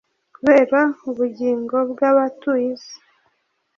kubera ubugingo bw’abatuye isi;